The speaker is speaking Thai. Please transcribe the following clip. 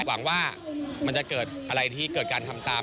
หวังว่ามันจะเกิดอะไรที่เกิดการทำตาม